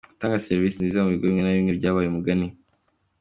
Igihugu twifuza kandi ni cyo gihugu dushobora kugeraho iyo twabishatse.